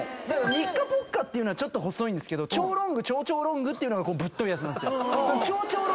ニッカポッカっていうのはちょっと細いけど超ロング超超ロングっていうのがぶっといやつなんですよ。